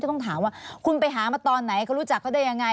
ต้องถามว่าคุณไปหามาตอนไหนเขารู้จักเขาได้ยังไง